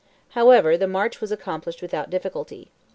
However, the march was accomplished without difficulty.